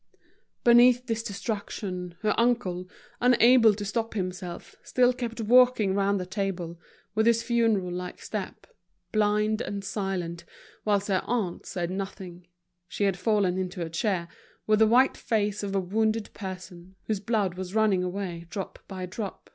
Beneath this destruction, her uncle, unable to stop himself, still kept walking round the table, with his funeral like step, blind and silent; whilst her aunt said nothing, she had fallen into a chair, with the white face of a wounded person, whose blood was running away drop by drop.